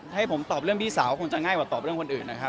ให้ผมตอบเรื่องพี่สาวคงจะง่ายกว่าตอบเรื่องคนอื่นนะครับ